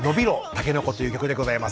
タケノコ！」という曲でございます。